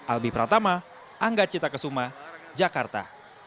albi pratama angga cita kesuma jakarta